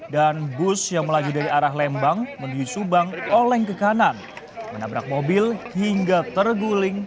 dan bus yang melaju dari arah lembang menuju subang oleng ke kanan menabrak mobil hingga terguling